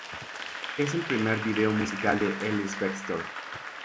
Es el primer video musical de Ellis-Bextor.